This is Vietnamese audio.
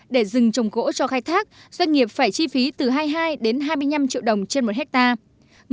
để rừng trồng gỗ cho khai thác doanh nghiệp phải chi phí từ hai mươi hai đến hai mươi năm triệu đồng trên một hectare